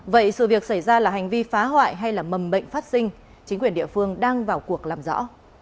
vậy sự việc xảy ra là hành vi phá hoại hay là mầm bệnh phát sinh chính quyền địa phương đang vào cuộc làm rõ